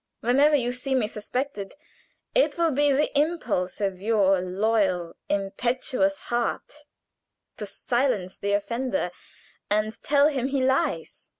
Whenever you see me suspected, it will be the impulse of your loyal, impetuous heart to silence the offender, and tell him he lies."